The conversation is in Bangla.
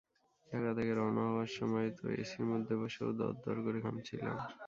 ঢাকা থেকে রওনা হওয়ার সময় তো এসির মধ্যে বসেও দরদর করে ঘামছিলাম।